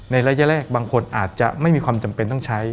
ระยะแรกบางคนอาจจะไม่มีความจำเป็นต้องใช้